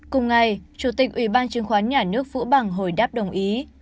cùng ngày chủ tịch ủy ban chứng khoán nhà nước vũ bằng hồi đáp đồng ý